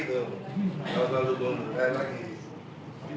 kalau selalu doang selain lagi